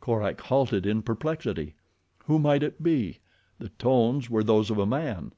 Korak halted in perplexity. Who might it be—the tones were those of a man.